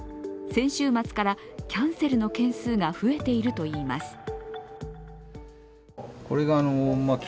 先週末からキャンセルの件数が増えているといいます。